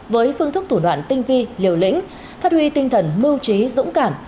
với phương thức thủ đoạn tinh vi liều lĩnh phát huy tinh thần mưu trí dũng cảm